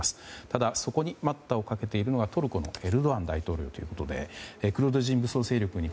ただ、そこに待ったをかけているのがトルコのエルドアン大統領ということでクルド人武装勢力に